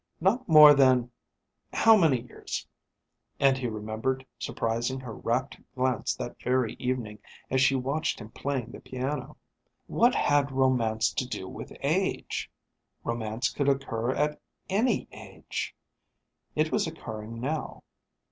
Not more than how many years? And he remembered surprising her rapt glance that very evening as she watched him playing the piano. What had romance to do with age? Romance could occur at any age. It was occurring now.